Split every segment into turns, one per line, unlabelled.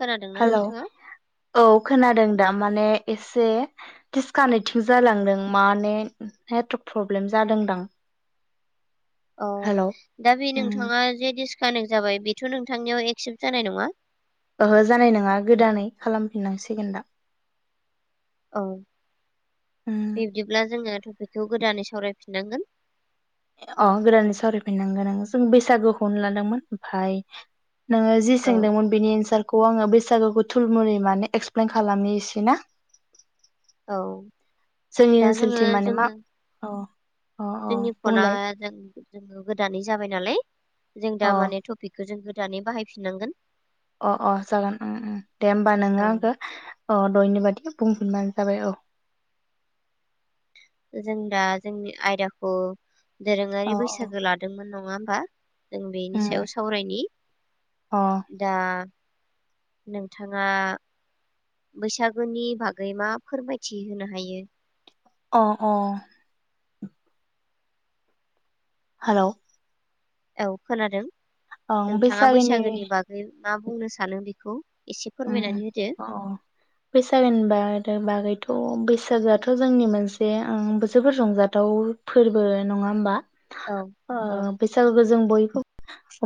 खोनादोंना
हेलौ,
नोंथाङा
औ खोनादों। दा माने एसे डिसकानेक्टिं जालांदों माने नेट प्रब्लेम जादोंदां।
औ
हेलौ
दा बे नोंथाङा जे डिसकानेक्ट जाबाय बेथ नोंथांनियाव एक्सेप्ट जानाय नङा
ओहो जानाय नङा गोदानै खालामफिननांसिगोनदा
औ बिब्दिब्ला जोङो टपिकखौ गोदानै सावराय फिननांगोन।
अ गोदानै सावरायफिननांगोन ओं जों बैसागोखौनो लादोंमोन ओमफाय नोङो जि
औ
सोंदोंमोन बेनि एन्सार खौ आङो बैसागुखौ थुलमुलै माने एक्सप्लेन खालामनि एसे ना
औ
जोंनि
दा जोङो
ओनसोलथिं माने मा
जोङो
औ
जोंनि फना जों जों गोदानै जाबाय नालाय जों
अ
दा माने टपिकखौ जों गोदानै बाहायफिननांगोन
अ अ जागोन उम उम दे होमबा
औ
नोङो आंखो अ दहायनियबादि बुंफिनबानो जाबाय औ
जों दा जोंनि आयदाखौ दोरोङारि
औ औ
बैसागो लादोंमोन नङा होमबा जों बेनि
उम
सायाव सावरायनि
अ
दा नोंथाङा बैसागुनि बागै मा फोरमायथि होनो हायो
अ अ हेल'
औ खोनादों नोंथाङा बैसागोनि बागै मा बुंनो सानो बेखौ एसे
उ
फोरमायनानै होदो
अ बैसागो होनबा बागैथ' बैसागोआथ' जोंनि मोनसे जोबोर रंजाथाव फोरबो नङा होमबा
औ औ
बैसागोखौ जों बयबो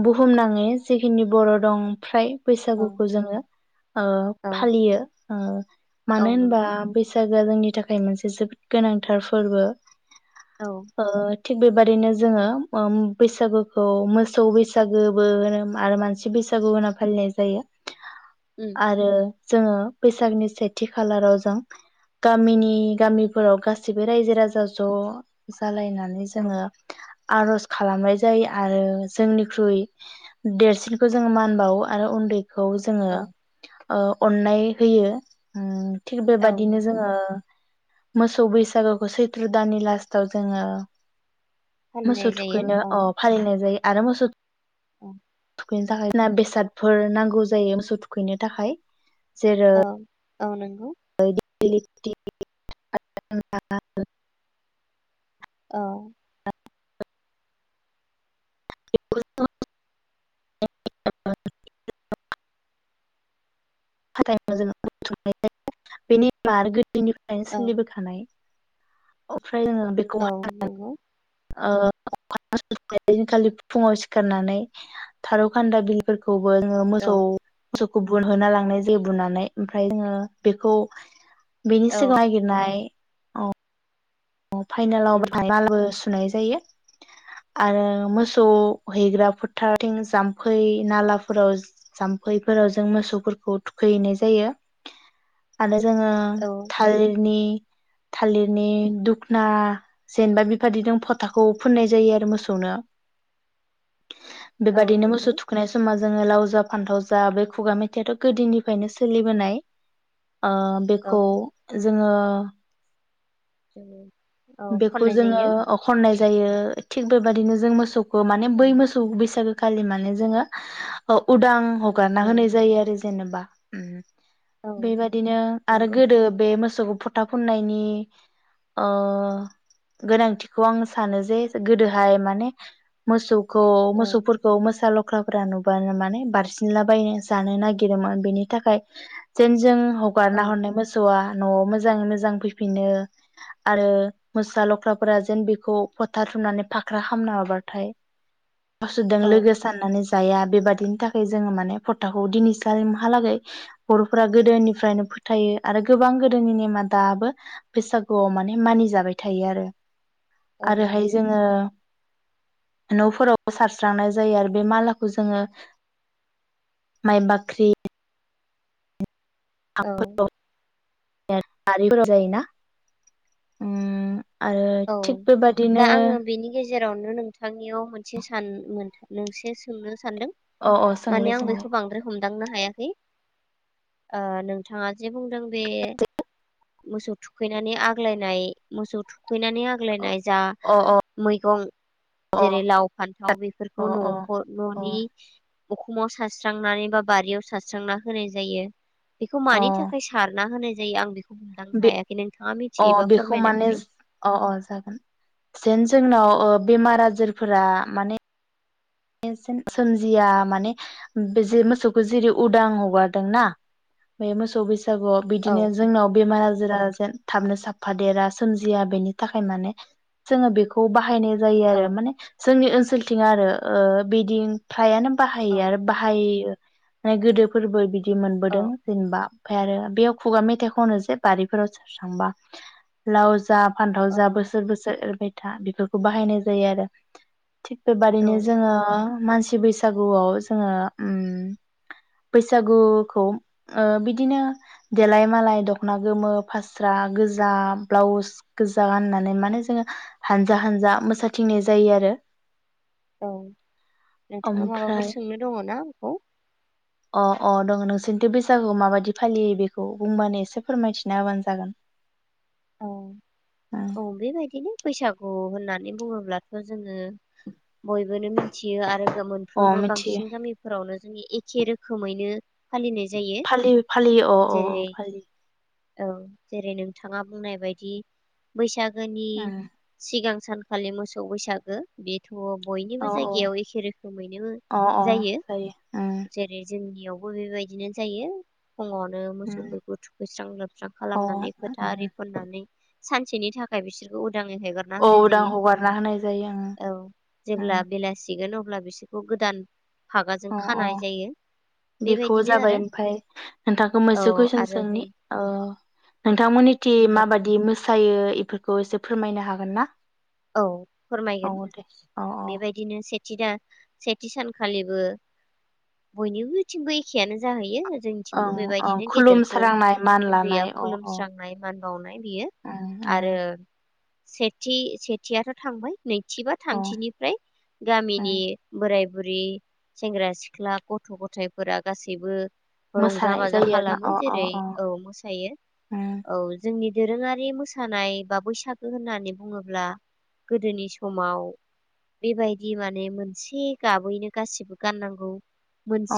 बुहुमनाङै जेखिनि बर' दं ओमफ्राय
औ
बैसागुखौ जोङो
औ
फालियो मानो
औ
होनबा
नंगौ
बैसाग आ जोंनि थाखाय मोनसे जोबोद गोनांथार फोरबो
औ
ओ थिग बेबादिनो जोङो बैसागुखौ मोसौ बैसागोबो होनोम आरो मानसि बैसागु होना फालिनाय जायो
उम
आरो जोङो बैसागनि सेथि खालाराव जों गामिनि गामिफोराव गासैबो रायजो राजा ज' जालायनानै
औ
जोङो आर'ज खालामनाय जायो आरो जोंनिख्रुइ देरसिनखौ जोंङो मान बावो आरो उन्दै खौ जोङो
औ
अननाय होयो थिग
औ
बेबायदिनो
नंगौ
जोङो मोसौ बैसागोखौ सैत्र' दाननि लास्टाव जोङो।
फालिनाय
मोसौ
जायो
थुखैनो अ फालिनाय जायो। आरो मोसौ
अ
थुखैनो थाखाय बेसादफोर नांगौ जायो मोसौ थु थुखैनो थाखाय। जेरै
औ औ नंगौ।
बेबायदि। [unintelligible]
औ
[unintelligible] गोदो निफ्रायनो
औ
सोलिबोखानाय। अ ओमफ्राय जोङो बेखौ
औ
[unintelligible] ओ
नंगौ
अखानायै हैदिनखालि फुङाव सिखारनानै खारौ खान्दाइ बिलाइफोर खौबो जोङो
औ
मोसौ मो गुबुल होना लांनाय जे बुनानै ओमफ्राय जोङो बेखौ। बेनि
औ
सिगां नागिरनाय। अ फाइनेलावबो
उम
[unintelligible] थुनाय जायो आरो मोसौ हैग्रा फोथारथिं जामफै नालाफोराव जामफैफोराव जों मोसौफोरखौ थुखैैनाय जायो आरो। जोङो
औ
थालिरनि थालिरनि दुख ना जेनेबा बेबादिदों फथाखौ फुननाय जायो आरो मोसौनो।
औ
बेबादिनो मोसौ
नंगौ
थुखैनाय समा जोङो लाव जा फान्थाव जा बे खुगा मेथाइयाथ' गोदोनिफ्रायनो सोलिबोनाय। ओ
औ
बेखौ। जोङो।
उम
बेखौ जोङो ओ खननाय जायो। थिग बेबायदिनो जों मोसौ खौ माने
औ
बै मोसौ बैसागो खालि माने जोङो अ उदां
औ
हगारना होनाय जायो आरो जेनेबा ओम।
औ
बेबादिनो आरो
नंगौ
गोदो बे मो सौखौ फोथा फुननायनि ओ गोनांथिखौ आं सानो जे गोदोहाय माने मोसौखौ
औ
मोसौफोरखौ मोसा लख्राफोरा नुबानो माने बारसिनलाबायनो जानो नागिरोमोन बेनि थाखाय जेन जों
औ
हगारना हरनाय मोसौआ न'आव मोजाङै मोजां फैफिनो आरो मोसा लख्राफोरा जेन बेखौ फथा थुमनानै फाख्रा खामना हरबाथाय मोसौदों
औ
लोगो साननानै जाया बेबादिनि थाखाय जोङो माने फथाखौ दिनै सिमहालागै फ्रा
औ
गोदोनिफ्रायनो फोथायो। आरो गोबां गोदोनि नेमा दाबो बैसागुआव माने मानिजाबाय थायो आरो।
औ
आरोहाय
नंगौ
जोङो न'फोराव सारस्रांनाय जायो आरो बे मालाखौ जोङो माइ बाख्रि
औ
[unintelligible] [unintelligible] जायोना उम। आरो थिग बेबादिनो
रावनो नोंथांनियाव मोनसे सान मोनसे सोंनो स सानदों
अ अ
माने
सोंलाय
आं बेखौ
सोंलाय
बांद्राय हम दांनो हायाखै ओ नोंथाङा जे बुंदों बे मोसौ थुखैनानै आग्लायनाय मोसौ थु खैनानै
अ
आग्लायनाय जा
अ अ
मैगं जेरै लाव फान्थाव
अ
बेफोरखौ
अ
नखर
अ
ननि अखुमाव सारस्रांनानै बा बारियाव सारस्रांना होनाय जायो। बेखौ
अ
मानि थाखाय सारना होनो जायो आं बेखौ हमदांनो
बे
हायाखै नोंथाङा
अ
मिथियोबा
बेखौ
फोरमायनो
माने
होय
अ अ जागोन जेन जोंनाव बेमार आजारफोरा माने सोमजिया माने बे जे मोसौखौ जेरै उदां हगारदोंना बे मोसौ बेस बसागुआव
औ
बिदिनो जोंनाव बेमार आजारा जेन थाबनो साफादेरा सोमजिया बेनि थाखाय माने जोङो बेखौ बाहायनाय जायो
औ
आरो माने जोंनि ओनस सोल्थिं आरो ओ बिदि फ्रायानो
औ
बाहायो आरो बाहोयो माने गोदो फोरबो बिदि दि
औ
मोनबोदों जेनबा ओमफाय आरो बेयाव खुगा मेथाइ खनो जे बारिफोराव सारस्रांबा लाव जाब फान्थाव
औ
जा बोसोर बोसोर एरबाय दा बेफोरखौ बाहायनाय जायो आरो। थिग बेबादिनो जोङो मानसि मानसि बैसागुआव जोङो उम बैसागुखौ ओ बिदिनो देलाय मालाय दखना गोमो फास्रा गोजा ब्लाउस गोजा गाननानै माने जोङो हानजा हानजा मोसाथिंनाय जायो आरो।
औ नोंथाङा माबाफोर
ओमफ्राय
सोंनो दङ ना? [unintelligible]
अ अ दङ नोंसोरनिथ बैसागुआव माबायदि फालियो बेखौ बुंबानो एसे फोरमायथिना होबानो जागोन।
औ औ बेबायदिनो बैसागु होननानै बुङोब्लाथ जोङो बयबोनो मिथियो आरो
अ
मोनफ्रोमबो
मिथियो
बांसिन गामिफोरावनो एखे रोखोमैनो फालिनाय जायो
फालियो फालियो अ अ अ
जेरै
फालियो।
औ जेरै नोंथाङा बुंनाय बायदि बैसाग गोनि सिगां सानखालि मोसौ बैसागो बे
औ
बयनिबो जायगायाव एखे रोखोमैनो
अ अ
जायो
अ औ
जेरै जोंनियाव बो बेबायदिनो जायो। फुङावनो
उम
मोसौफोरखौ थुखैस्रां लोबस्रां
अ
खालामनानै फोथारि नानै सानसेनि थाखाय बिसोरखौ उदांयै हेगारना
औ
होनाय
उदां
जायो
हगारना होनाय जायो उम
औ
उम
जेब्ला बेलासिगोन अ ब्ला बिसोरखौ गोदान फागाजों
अ अ
खानाय जायो
बेखौ
बेबायदिनो
जाबाय
आरो
ओमफाय नोंथांखौ
औ
मोनसे कुयसन
आरो नै
सोंनि
औ
नोंथांमोननि थिं
सोंजागोन
माबादि मोस सायो इफोरखौ एसे फोरमायनो हागोन ना?
औ
औ
फोरमायगोन
दे औ औ
बेबायदिनो सेथि दा सेथि सानखालिबो बयनिबोथिंबो एखेयानो जाहैयो। जोंनिथिंबो
ओं ओं
बेबायदिनो गेदेरखौ
खुलुमस्रांनाय मान
उन्दैया
लानाय अ अ
खुलुमस्रांनाय मान बावनाय बियो
उम उम
आरो सेथि से थियाथ' थांबाय। नैथि बा
अ
थामथिनिफ्राय गामिनि
उम
बोराय बुरि सेंग्रा सिख्ला गथ' गथायफोरा गासैबो रंजा
मोसानाय
बाजा
जायो आरोना
खालामो
अ अ
जेरै
अ
औ मोसायो
उम
औ जोंनि दोरोङारि मोसानाय बा बैसागो होननानै बुङोब्ला गोदोनि समाव बेबायदि माने मोनसे गाबैनो गासिबो गाननांगौ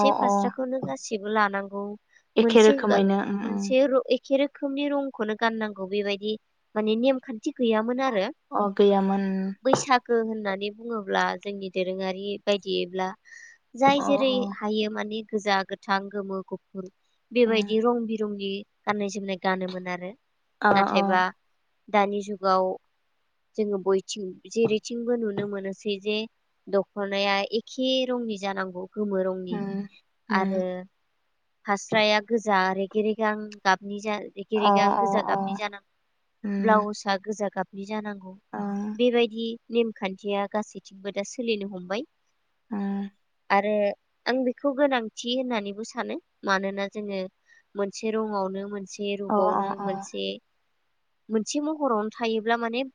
अ अ
फास्राखौनो गासिबो लानांगौ
एखे
मोनसे
रोखोमैनो उम उम
मोनसे एखे रो रोखोमनि रंगखौनो गान नांगौ बेबायदि मान नेमखान्थि गैयामोन आ
अ गोया
बैसागो होननानै बुङोब्ला जोंनि दोरोङारि बायदियैब्ला
उम
जाय
अ
जेरै हायो माने गोजा गोथां गोमो गुफुर
उम
बेबायदि रं बिरंगि गाननाय जोमनाय गानोमोन आरो
अ अ
नाथायबा दानि जुगाव जोङो बयथिं जेरैथिंबो नुनो मोनोसै जे दख'नाया एखे रङि जानांगौ गोमो रंनि
उम उम
आरो हास्राया गोजा रेगे रेगां गाबनि रेगे
अ
रेगां
अ
गोजा
अ
गाबनि जानां
उम
ब्लाउसआ गोजा गाब बि जानांगौ
ओं
बेबायदि नेमखान्थिया गासैथिंबो दा सोलिनो हमबाय।
ओ
आरो आं बेखौ गोनांथि होननानैबो सानो मानोना जोङो मोनसे रङावनो मोनसे
अ अ
रपावनो
अ
मोनसे मोनसे महरावनो थायोब्ला माने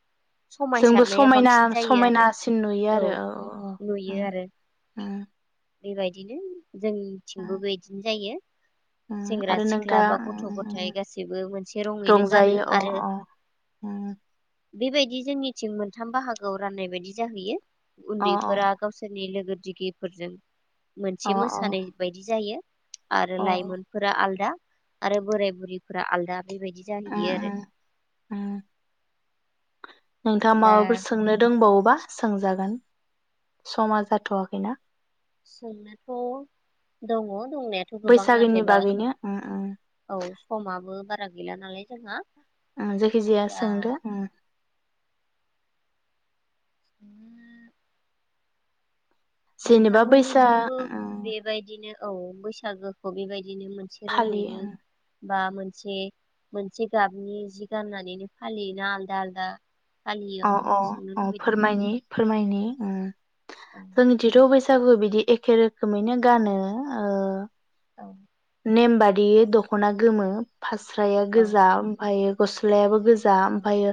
जोंबो
समायसारनाया
समायना
बांसिन जायो आरो
समायनासिन नुयो आरो औ औ
नुयो आरो
औ
बेबायदिनो जोंथिंबो बेदि जायो
उम
सेंग्रा
आरो
सिख्ला
नोंथाङा
बा
उम
गथ' गथाय
उम
गासैबो मोनसे रङैनो गानो
रंजायो अ
आरो
अ उम
बेबायदि जोंनिथिं मोनथाम बाहागोआव राननाय बायदि जाहैयो।
अ अ
उन्दैफोरा गावसोरनि लोगो दिकफोरजों मोनसे
अ अ
मोसानाय बायदि जायो। आरो
अ
लाइमोनफोरा आलदा आरो बोराय बुरैफोरा आलदा। बेबायदि
उम
जाहैयो आरो।
उम उम नोंथाङा
दा
माबाफोर सोंनो दोंबावो बा सोंजागोन समा जाथ'वाखैना।
सोंनायाथ' दङ दंनायाथ' गोबां
बैसागोनि
नाथायबा
बागैनो उम उम
औ समाबो बा रा गैला नालाय जोंहा।
जायखिजाया
दा
सोंदो उम।
उम।
जेनेबा बैसा
नोंथांमोननिथिंबो
उम
बेबायदिनो औ बैसागोखौ बेबाय दिनो मोनसे
फालियो
रङैनो बा मोनसे मोनसे गाबनि जि गाननानैनो फालियोना आलदा आलदा फालियो
अ
आं
अ
बेखौ सोंनो
अ
लुबैदों
फोरमायनि फोरमायनि उम।
औ
जोंनि दिथ' बै सागु बिदि एखे रोखोमैनो गानो। ओ
औ।
नेम बादियै दख'ना गोमो फास्राया
औ
गोजा ओमफायो गस्लायाबो गो जा
औ
ओमफायो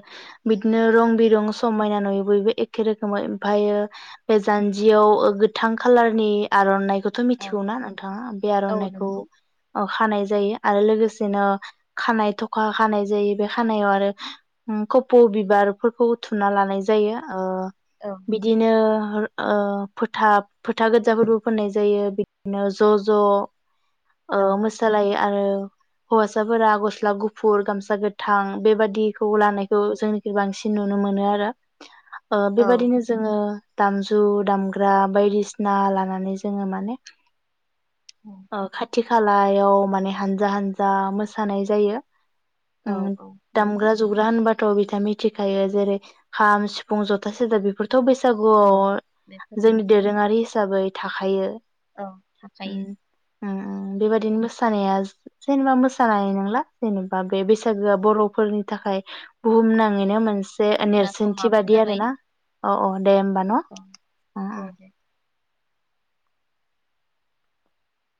बिदिनो रं बिरं समायना नुयो बयबो एखे रोखोम ओमफायो बे जान्जियाव गोथां खाालारनि आर'नाइ बेखौथ'
औ
मिथिगौ ना नोंथाङा बे
औ
आर'नाइखौ
नंगौ
ओ खानाय जायो। आरो लोगोसेनो खानाय थखा खानाय जायो बे खानायाव आरो कफ' बिबारफोरखौ थुना लानाय जायो। ओ
औ
बिदिनो ओ फोथा फोथा गोजाफोरबो फोननाय जायो बिदिनो ज' ज' ओ
औ
मोसालायो। आरो हौवासाफोरा गस्ला गुफुर गामसा गोथां बेबादि खौ लानायखौ जोंनि खै बांसिन नुनो मोनो आरो। ओ
औ
बेबायदिनो जोङो दामजु दामग्रा बायदिसिना लानानै जोङो माने ओ खा खाथि खालायाव माने हानजा हानजा मोसानाय जायो।
औ
उम
औ नंगौ
दामग्रा जग्रा होनबा बिथ' मिथिखायो जेरै खाम सिफुं जथा सेरजा बेफोर थ'
औ
बैसागुआव
बेफोरनो
जोंनि दोरोङारि हिसाबै थाखायो।
औ
उम
थाखायो।
उम उम
नंगौ
बेबायदिनो मोस सा जेनेबा मोसानाय नंला जेनेबा बे बैसागोआ बर'फोरनि थाखाय बुहुमनां ङैनो मोनसे
नोंथां। जोंना
नेरसोनथि
समाबो
बादि
जाबाय
आरोना। औ औ दे ओमबा न'
औ औ दे